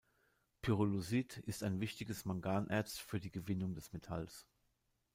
Pyrolusit ist ein wichtiges Manganerz für die Gewinnung des Metalls.